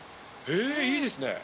いいですね。